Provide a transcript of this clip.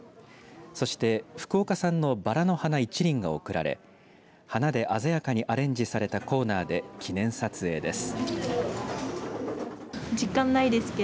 そして福岡産のばらの花１輪が贈られ花で鮮やかにアレンジされたコーナーで記念撮影です。